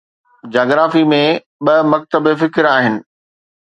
geography ۾ ٻه مکتب فڪر آهن